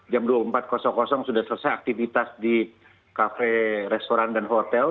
jam dua puluh empat sudah selesai aktivitas di kafe restoran dan hotel